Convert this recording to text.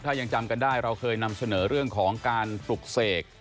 ถ้ายังจำกันได้เราเคยนำเสนอเรื่องของการปลุกเสก